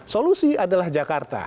solusi adalah jakarta